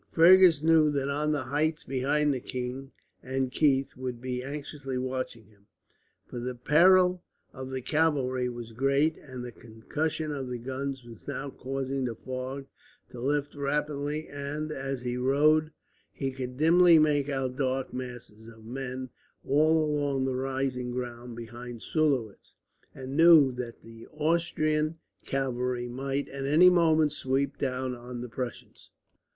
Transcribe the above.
Fergus knew that on the heights behind the king and Keith would be anxiously watching him, for the peril of the cavalry was great; and the concussion of the guns was now causing the fog to lift rapidly and, as he rode, he could dimly make out dark masses of men all along the rising ground behind Sulowitz, and knew that the Austrian cavalry might, at any moment, sweep down on the Prussians.